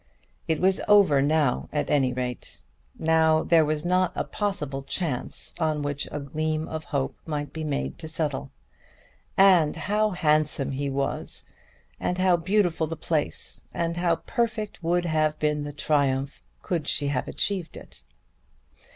It was over now at any rate. Now there was not a possible chance on which a gleam of hope might be made to settle. And how handsome he was, and how beautiful the place, and how perfect would have been the triumph could she have achieved it!